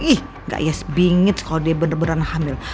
ih gak yes bingit kalau dia bener bener hamil